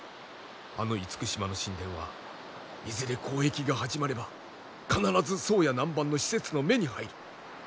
あの厳島の神殿はいずれ交易が始まれば必ず宋や南蛮の使節の目に入る。